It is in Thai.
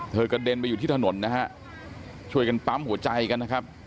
กระเด็นไปอยู่ที่ถนนนะฮะช่วยกันปั๊มหัวใจกันนะครับ